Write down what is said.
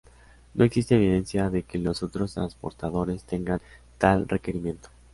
No existe evidencia de que los otros transportadores tengan tal requerimiento.